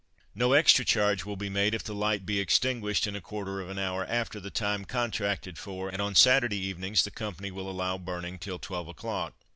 No extra charge will be made, if the Light be extinguished in a quarter of an hour after the time contracted for, and on Saturday evenings the Company will allow burning till twelve o'clock.